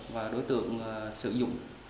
và đối tượng sử dụng